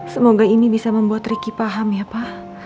semoga ini bisa membuat ricky paham ya pak